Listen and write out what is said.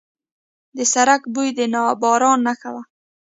د سړک بوی د باران نښه وه.